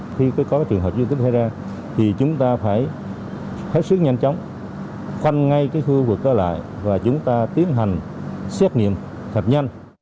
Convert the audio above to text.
khi có trường hợp dương tính hay ra thì chúng ta phải hết sức nhanh chóng khoanh ngay cái khu vực ở lại và chúng ta tiến hành xét nghiệm thật nhanh